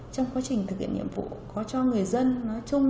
trong quá trình thực hiện nhiệm vụ có cho người dân nói chung